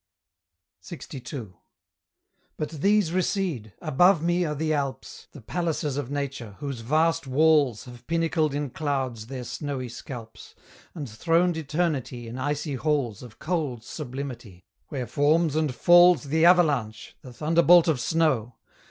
LXII. But these recede. Above me are the Alps, The palaces of Nature, whose vast walls Have pinnacled in clouds their snowy scalps, And throned Eternity in icy halls Of cold sublimity, where forms and falls The avalanche the thunderbolt of snow!